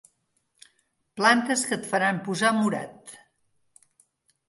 Plantes que et faran posar morat.